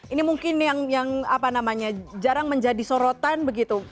ini mungkin yang jarang menjadi sorotan begitu